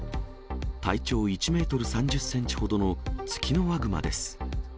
体長１メートル３０センチほどのツキノワグマです。